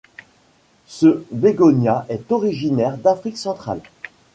Ce bégonia est originaire d'Afrique centrale.